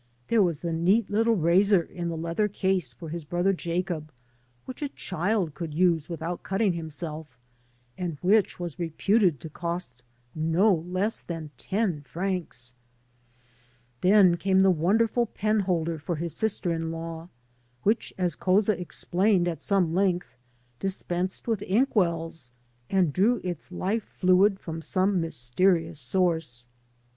There was the neat little razor in the leather case for his brother Jacob which a child could use without cutting himself and which was reputed to cost no less than ten francs. Then came the wonderful penholder for his sister in law, which, as Couza explained at some length, dispensed with ink wells and drew its life fluid from some mylfeterious source.